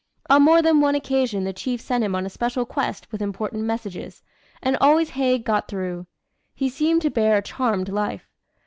On more than one occasion the Chief sent him on a special quest with important messages, and always Haig got through. He seemed to bear a charmed life.